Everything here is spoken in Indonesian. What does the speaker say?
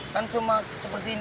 kan cuma seperti ini